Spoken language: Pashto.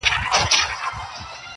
چي ستا به اوس زه هسي ياد هم نه يم.